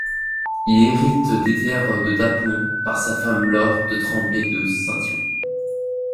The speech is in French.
Il hérite des terres de Dampont par sa femme Laure de Tremblay de Saint-Yon.